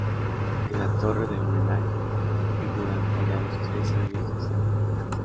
En la torre del homenaje figuran tallados tres sellos de Salomón.